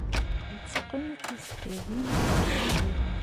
Yetteqqen tisekkadin akken ad iɣer.